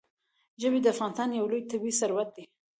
ژبې د افغانستان یو لوی طبعي ثروت دی.